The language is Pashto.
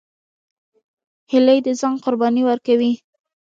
هیلۍ د ځان قرباني ورکوي